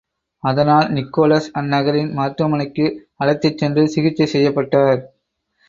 அதனால், நிக்கோலஸ் அந்நகரின் மருத்துவமனைக்கு அழைத்துச் சென்று சிகிச்சை செய்யப்பட்டார்.